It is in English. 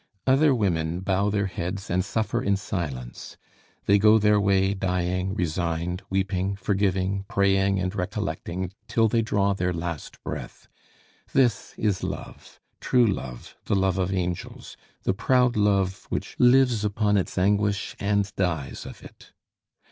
Other women bow their heads and suffer in silence; they go their way dying, resigned, weeping, forgiving, praying, and recollecting, till they draw their last breath. This is love, true love, the love of angels, the proud love which lives upon its anguish and dies of it.